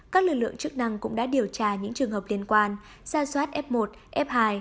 các lực lượng chức năng cũng đã điều tra những trường hợp liên quan ra soát f một f hai